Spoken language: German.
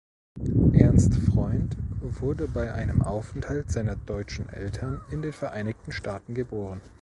Ernst Freund wurde bei einem Aufenthalt seiner deutschen Eltern in den Vereinigten Staaten geboren.